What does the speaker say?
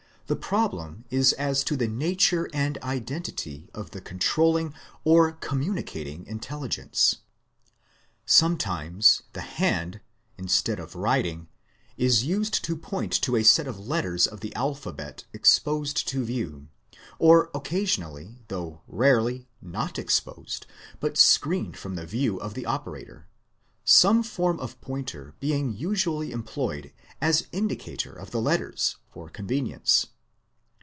The problem is as to the nature and identity of the controlling or communicating intelligence. Sometimes the hand, instead of writing, is used to point to a set of letters of the alphabet exposed to view, or occasionally, 592 The Outline of Science though rarely, not exposed, but screened from the view of the operator; some form of pointer being usually employed as in dicator of the letters, for convenience.